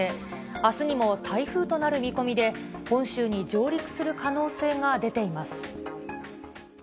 あすにも台風となる見込みで、本州に上陸する可能性が出ています。